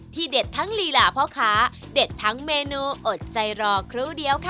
เด็ดทั้งลีลาพ่อค้าเด็ดทั้งเมนูอดใจรอครู่เดียวค่ะ